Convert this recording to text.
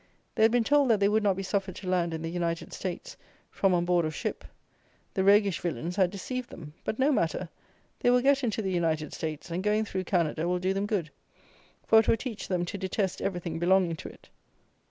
They had been told that they would not be suffered to land in the United States from on board of ship. The roguish villains had deceived them: but no matter; they will get into the United States; and going through Canada will do them good, for it will teach them to detest everything belonging to it.